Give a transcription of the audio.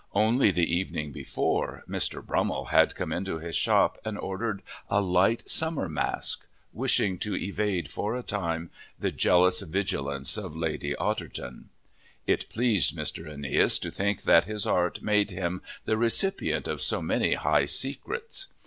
Only the evening before, Mr. Brummell had come into his shop and ordered a light summer mask, wishing to evade for a time the jealous vigilance of Lady Otterton. It pleased Mr. Aeneas to think that his art made him the recipient of so many high secrets.